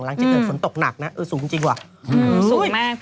หลังจากเกิดฝนตกหนักนะอืมสูงจริงจริงว่ะอืมสูงแม่ง